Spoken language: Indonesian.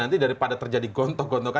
nanti daripada terjadi gontok gontokan